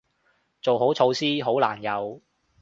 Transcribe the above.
做好措施，好難有